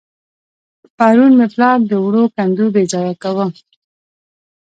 پرون مې پلار د وړو کندو بېځايه کاوه.